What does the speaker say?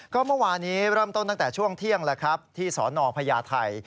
ก็เมื่อวานี้เริ่มต้นตั้งแต่ช่วงเที่ยงแล้วครับที่สนพญาไทย